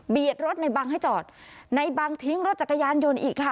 รถในบังให้จอดในบังทิ้งรถจักรยานยนต์อีกค่ะ